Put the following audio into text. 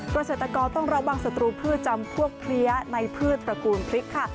เกษตรกรต้องระวังศัตรูพืชจำพวกเพลี้ยในพืชตระกูลพริกค่ะ